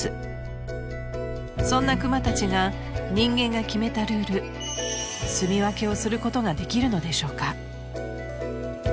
［そんなクマたちが人間が決めたルール棲み分けをすることができるのでしょうか？］